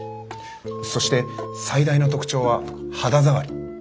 そして最大の特徴は肌触り。